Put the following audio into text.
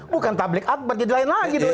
bukan takbik akbar jadi lain lagi